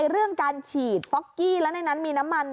เรื่องการฉีดฟอกกี้แล้วในนั้นมีน้ำมัน